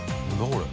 これ。